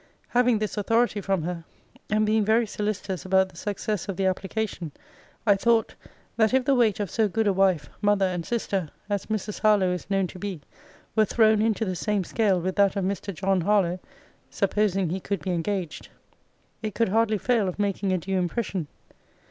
Having this authority from her, and being very solicitous about the success of the application, I thought, that if the weight of so good a wife, mother, and sister, as Mrs. Harlowe is known to be, were thrown into the same scale with that of Mr. John Harlowe (supposing he could be engaged) it could hardly fail of making a due impression.